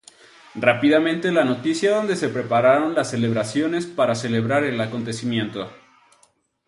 Rápidamente la noticia donde se prepararon las celebraciones para celebrar el acontecimiento.